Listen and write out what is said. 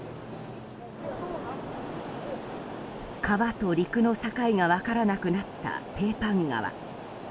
川と陸の境が分からなくなったペーパン川。